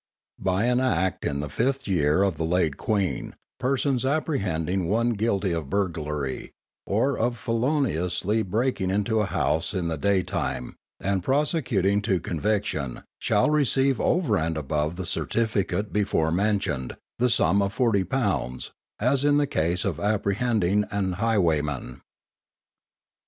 _ _By an Act made in the fifth year of the late Queen, persons apprehending one guilty of burglary, or of feloniously breaking into a house in the day time, and prosecuting to conviction, shall receive over and above the certificate before mentioned, the sum of forty pounds, as in the case of apprehending an Highwayman.